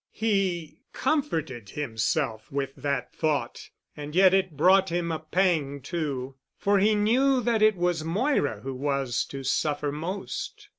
He comforted himself with that thought and yet it brought him a pang too, for he knew that it was Moira who was to suffer most.